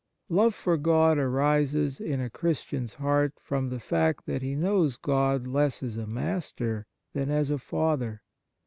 Love for God arises in a Christian's heart from the fact that he knows God less as a Master than as a Father.